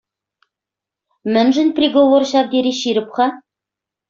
Мӗншӗн приговор ҫав тери ҫирӗп-ха?